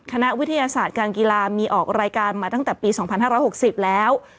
คณะวิทยาศาสตร์การกีฬามีออกรายการมาตั้งแต่ปี๒๕๖๐แล้ว